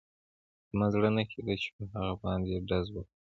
زما زړه نه کېده چې په هغه باندې ډز وکړم